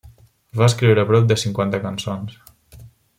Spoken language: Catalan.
Va escriure prop de cinquanta cançons.